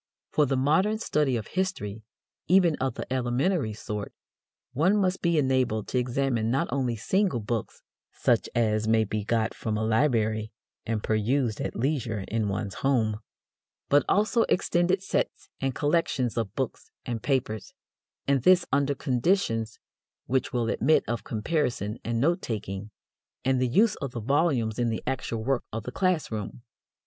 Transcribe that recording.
For the modern study of history, even of the elementary sort, one must be enabled to examine not only single books, such as may be got from a library and perused at leisure in one's home, but also extended sets and collections of books and papers, and this under conditions which will admit of comparison and note taking and the use of the volumes in the actual work of the class room.